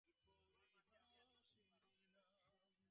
আমার মাকে আমি আনিব, তুমি বারণ করিবার কে?